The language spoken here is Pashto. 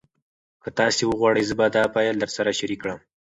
که تاسي وغواړئ زه به دا فایل درسره شریک کړم.